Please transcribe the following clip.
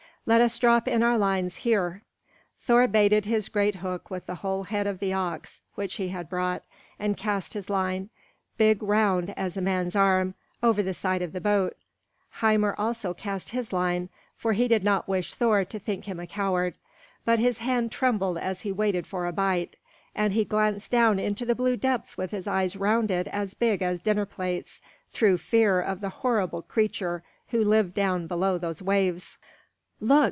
Let us drop in our lines here." Thor baited his great hook with the whole head of the ox which he had brought, and cast his line, big round as a man's arm, over the side of the boat. Hymir also cast his line, for he did not wish Thor to think him a coward; but his hand trembled as he waited for a bite, and he glanced down into the blue depths with eyes rounded as big as dinner plates through fear of the horrible creature who lived down below those waves. "Look!